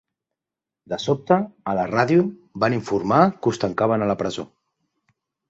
De sobte, a la ràdio, van informar que us tancaven a la presó.